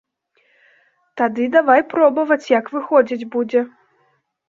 Тады давай пробаваць, як выходзіць будзе.